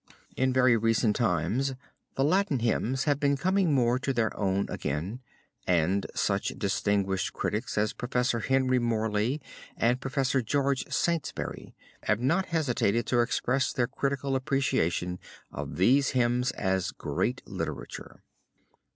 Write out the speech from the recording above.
In very recent times the Latin hymns have been coming more to their own again and such distinguished critics as Prof. Henry Morley, and Prof. George Saintsbury, have not hesitated to express their critical appreciation of these hymns as great literature.